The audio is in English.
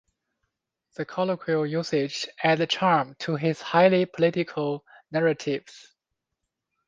The colloquial usages add charm to his highly political narratives.